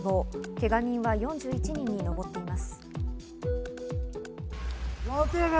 けが人が４１人に上っています。